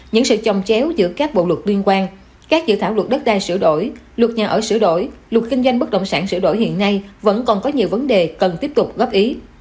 những sự chồng chéo giữa các bộ luật liên quan các dự thảo luật đất đai sửa đổi luật nhà ở sửa đổi luật kinh doanh bất động sản sửa đổi hiện nay vẫn còn có nhiều vấn đề cần tiếp tục góp ý